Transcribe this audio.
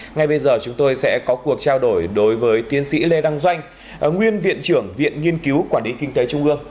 ngay bây giờ chúng tôi sẽ có cuộc trao đổi đối với tiến sĩ lê đăng doanh nguyên viện trưởng viện nghiên cứu quản lý kinh tế trung ương